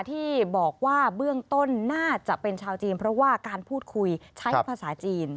ที่บอกว่าเบื้องต้นน่าจะเป็นชาวจีนเพราะว่าการพูดคุยใช้ภาษาจีน